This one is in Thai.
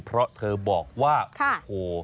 เพราะเธอบอกว่าโอ้โห